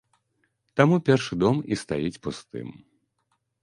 Таму першы дом і стаіць пустым.